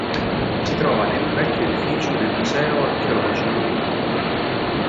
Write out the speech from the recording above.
Si trova nel vecchio edificio del Museo Archeologico di Olimpia.